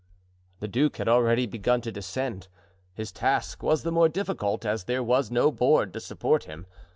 The duke had already begun to descend. His task was the more difficult, as there was no board to support him.